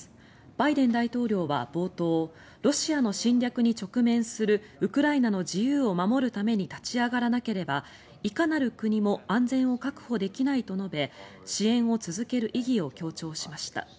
バイデン大統領は、冒頭ロシアの侵略に直面するウクライナの自由を守るために立ち上がらなければいかなる国も安全を確保できないと述べ支援を続ける意義を強調しました。